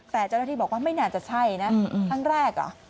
แต่เจ้าหน้าที่บอกว่าไม่น่าจะใช่นะครั้งแรกเหรอ